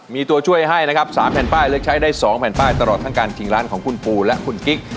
มีตัวช่วยให้นะครับ๓แผ่นป้ายเลือกใช้ได้๒แผ่นป้ายตลอดทั้งการชิงร้านของคุณปูและคุณกิ๊ก